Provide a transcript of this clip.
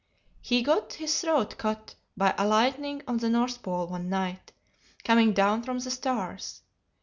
He got his throat cut by alighting on the North Pole one night, coming down from the stars.